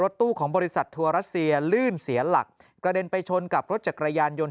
ตู้ของบริษัททัวร์รัสเซียลื่นเสียหลักกระเด็นไปชนกับรถจักรยานยนต